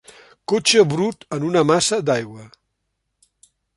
Cotxe brut en una massa d'aigua